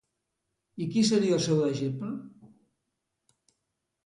I qui seria el seu deixeble?